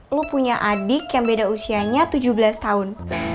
lu punya adik yang beda usianya tujuh belas tahun